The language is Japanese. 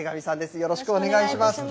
よろしくお願いします。